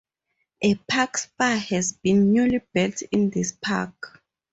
A park-spa has been newly built in this park.